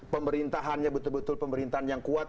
memang dia penyelamat